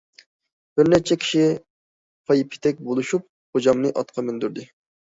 - بىر نەچچە كىشى پايپېتەك بولۇشۇپ غوجامنى ئاتقا مىندۈردى.